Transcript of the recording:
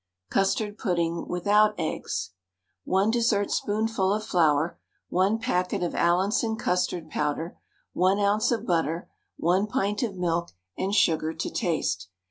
CUSTARD PUDDING WITHOUT EGGS. One dessertspoonful of flour, one packet of Allinson custard powder, 1 oz. of butter, 1 pint of milk, and sugar to taste.